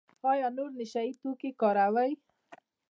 ایا نور نشه یي توکي کاروئ؟